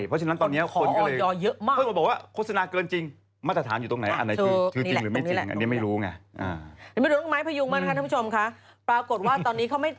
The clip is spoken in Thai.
ออยยตรงนี้